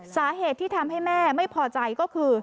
สาเหตุที่ทำให้แม่ไม่พอใจก็คือ